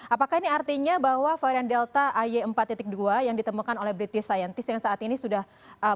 apakah ini artinya bahwa varian delta ay empat dua yang ditemukan oleh british scientist yang saat ini sudah